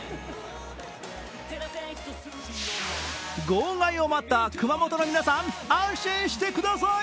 号外を待った熊本の皆さん、安心してくださーい。